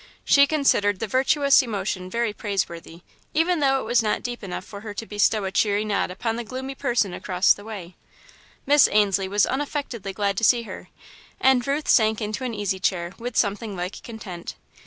She considered the virtuous emotion very praiseworthy, even though it was not deep enough for her to bestow a cheery nod upon the gloomy person across the way. Miss Ainslie was unaffectedly glad to see her, and Ruth sank into an easy chair with something like content.